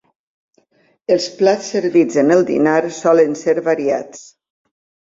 Els plats servits en el dinar solen ser variats.